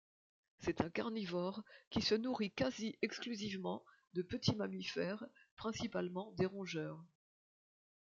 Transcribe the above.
C'est un carnivore qui se nourrit quasi exclusivement de petits mammifères, principalement des rongeurs.